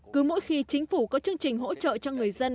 cứ mỗi khi chính phủ có chương trình hỗ trợ cho người dân